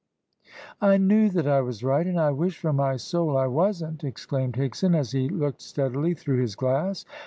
"I knew that I was right, and I wish from my soul I wasn't," exclaimed Higson, as he looked steadily through his glass.